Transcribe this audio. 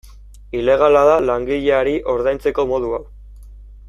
Ilegala da langileari ordaintzeko modu hau.